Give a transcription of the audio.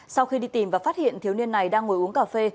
sau khi đi tìm và phát hiện thiếu niên này đang ngồi uống cà phê